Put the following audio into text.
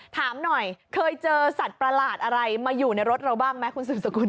ถามหน่อยเคยเจอสัตว์ประหลาดอะไรมาอยู่ในรถเราบ้างไหมคุณสืบสกุล